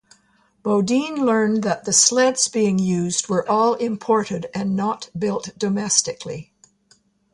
Bodine learned that the sleds being used were all imported and not built domestically.